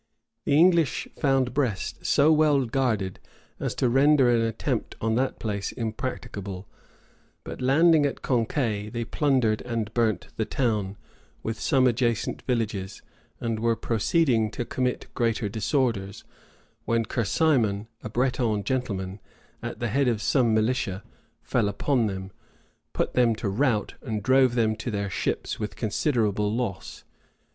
The English found Brest so well guarded as to render an attempt on that place impracticable; but, landing at Conquet, they plundered and burnt the town, with some adjacent villages, and were proceeding to commit greater disorders, when Kersimon, a Breton gentleman, at the head of some militia, fell upon them, put them to rout, and drove them to their ships with considerable loss.